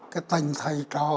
cái tình thầy trò